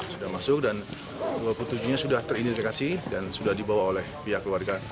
sudah masuk dan dua puluh tujuh nya sudah teridentifikasi dan sudah dibawa oleh pihak keluarga